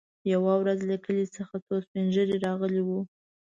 يوه ورځ له کلي څخه څو سپين ږيري راغلي وو.